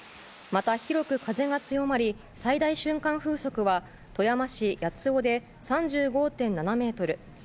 また、広く風が強まり最大瞬間風速は富山市八尾で３５．７メートル